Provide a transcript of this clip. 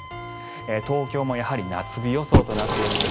東京もやはり夏日予想となっています。